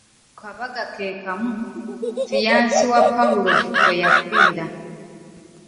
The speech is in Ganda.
Ku kabaga keekamu, `fiance' wa Pawulo kwe yafiira.